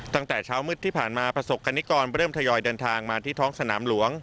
ตั้งแต่เช้ามืดที่ผ่านมาประสบกรณิกรเริ่มทยอยเดินทางมาที่ท้องสนามหลวง